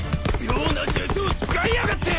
妙な術を使いやがって！